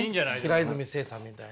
平泉成さんみたいな。